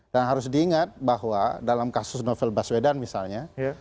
dan harus diingat bahwa dalam kasus novel baswedan misalnya